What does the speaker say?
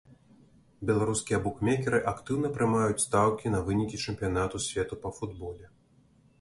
Беларускія букмекеры актыўна прымаюць стаўкі на вынікі чэмпіянату свету па футболе.